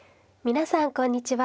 皆さんこんにちは。